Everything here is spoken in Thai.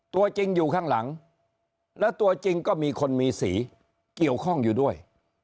ตัวจริงอยู่ข้างหลังและตัวจริงก็มีคนมีสีเกี่ยวข้องอยู่ด้วย